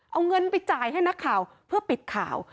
เอาเงินไปจ่ายให้นักข่าวเพื่อปิดข่าว